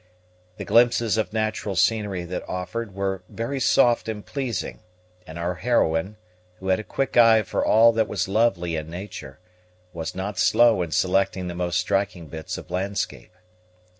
The glimpses of natural scenery that offered were very soft and pleasing; and our heroine, who had a quick eye for all that was lovely in nature, was not slow in selecting the most striking bits of landscape.